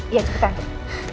ya cukup ganteng